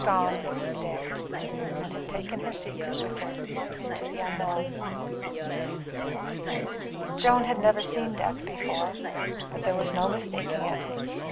Gone was dead, and had taken her secret with her into the unknown. Joan had never seen death before, but there was no mistaking it.